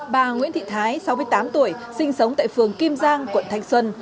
bà nguyễn thị thái sáu mươi tám tuổi sinh sống tại phường kim giang quận thanh xuân